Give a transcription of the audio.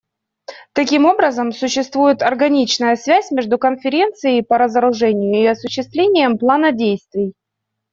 Таким образом, существует органичная связь между Конференцией по разоружению и осуществлением плана действий.